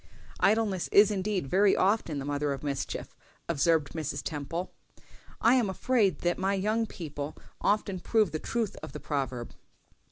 "Idleness is indeed very often the mother of mischief," observed Mrs. Temple. "I am afraid that my young people often prove the truth of the proverb."